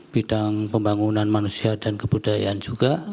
bidang pembangunan manusia dan kebudayaan juga